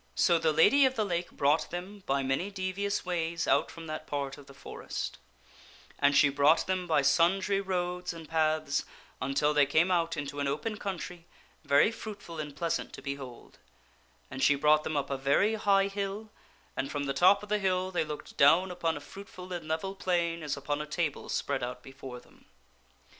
So the Lady of the Lake brought them by many devious ways out from that part of the forest; and she brought them by sundry roads and paths until they came out into an open country, very fruitful and pleasant to be hold ; and she brought them up a very high hill, and from the top of the hill they looked down upon a fruitful and level plain as upon a table spread out before them.